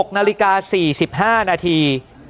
๖นาฬิกา๔๕นาที